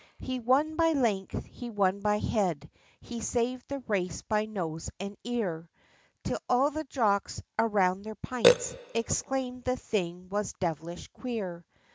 He won by length, he won by head, he saved the race by nose, and ear, Till all the jocks, around their pints, exclaimed the thing was devilish queer.